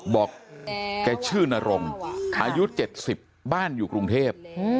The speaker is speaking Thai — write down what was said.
บอกแกชื่อนรงอายุ๗๐บ้านอยู่กรุงเทพ